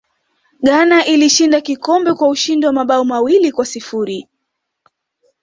ghana ilishinda kikombe kwa ushindi wa mabao mawili kwa sifuri